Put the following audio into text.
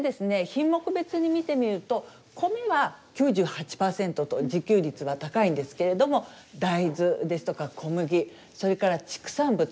品目別に見てみると米は９８％と自給率は高いんですけれども大豆ですとか小麦それから畜産物